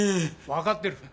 わかってる。